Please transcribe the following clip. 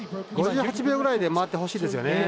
５８秒ぐらいで回ってほしいですよね。